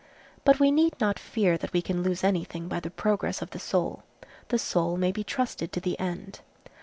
But we need not fear that we can lose any thing by the progress of the soul. The soul may be trusted to the end.